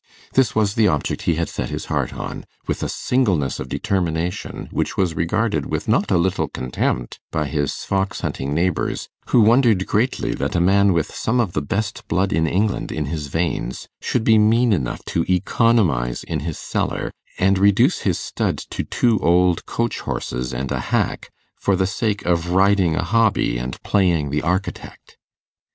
This was the object he had set his heart on, with a singleness of determination which was regarded with not a little contempt by his fox hunting neighbours, who wondered greatly that a man with some of the best blood in England in his veins, should be mean enough to economize in his cellar, and reduce his stud to two old coach horses and a hack, for the sake of riding a hobby, and playing the architect.